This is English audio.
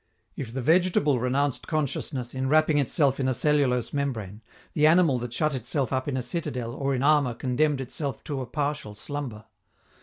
If the vegetable renounced consciousness in wrapping itself in a cellulose membrane, the animal that shut itself up in a citadel or in armor condemned itself to a partial slumber.